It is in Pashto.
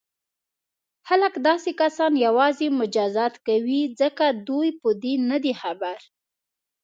خلک داسې کسان یوازې مجازات کوي ځکه دوی په دې نه دي خبر.